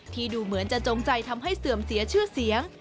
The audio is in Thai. ดูเหมือนจะจงใจทำให้เสื่อมเสียชื่อเสียง